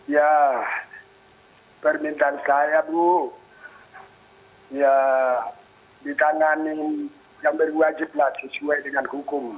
ya permintaan saya bu ya ditangani yang berwajib lah sesuai dengan hukum